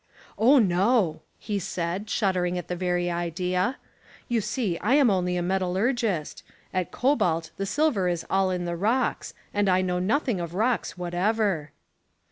"Oh, no," he said, shuddering at the very Idea, "you see I'm only a metallurgist; at Cobalt the silver Is all In the rocks and I know nothing of rocks whatever."